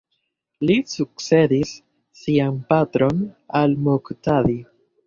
Li sukcedis sian patron al-Muktadi.